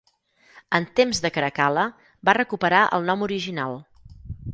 En temps de Caracal·la va recuperar el nom original.